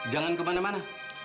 jangan ke mana mana